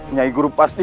nyai guru pasti